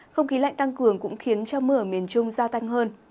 không khí lạnh tăng cường cũng khiến cho mưa ở miền trung gia tăng hơn